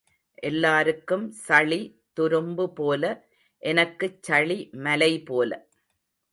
எல்லாருக்கும் சளி துரும்பு போல எனக்குச் சளி மலை போல.